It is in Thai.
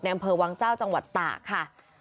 ในอำเภอวังเจ้าที่จังหวัดต่าค่ะ